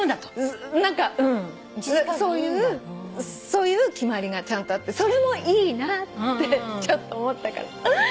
そういう決まりがちゃんとあってそれもいいなってちょっと思ったから。